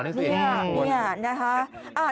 นี่นะครับ